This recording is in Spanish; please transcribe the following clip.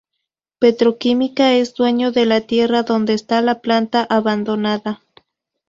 Petroquímica es dueño de la tierra donde esta la planta abandonada.